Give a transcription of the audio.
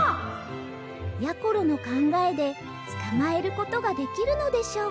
やころのかんがえでつかまえることができるのでしょうか？